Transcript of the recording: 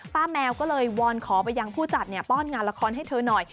แมวก็เลยวอนขอไปยังผู้จัดป้อนงานละครให้เธอหน่อย